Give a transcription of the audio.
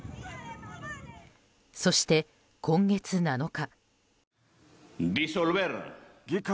そして今月７日。